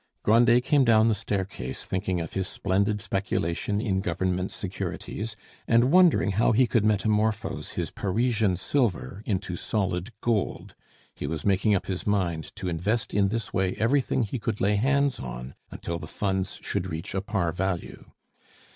Grandet came down the staircase thinking of his splendid speculation in government securities, and wondering how he could metamorphose his Parisian silver into solid gold; he was making up his mind to invest in this way everything he could lay hands on until the Funds should reach a par value.